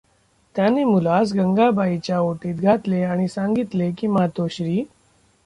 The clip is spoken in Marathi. त्याने मुलास गंगाबाईच्या ओटीत घातले आणि सांगितले की, मातोश्री!